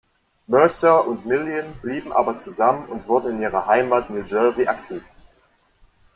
Mercer und Million blieben aber zusammen und wurden in ihrer Heimat New Jersey aktiv.